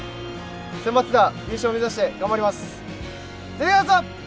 センバツでは優勝目指して頑張ります。